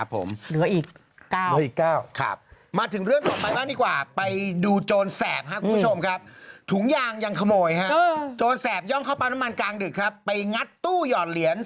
แพงแล้วทุกอย่างแพงหมดเลย